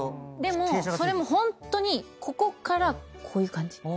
でもそれもホントにここからこういう感じ。